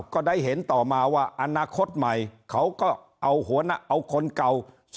ก็ได้เห็นต่อมาว่าอนาคตใหม่เขาก็เอาคนเก่า